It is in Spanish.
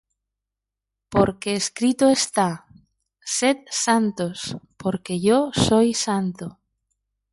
Porque escrito está: Sed santos, porque yo soy santo.